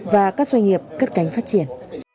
và các doanh nghiệp cất cánh phát triển